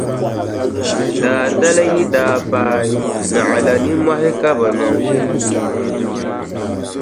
Daa dali yi daa paai naɣila nimmɔhi ka bɛ niŋ.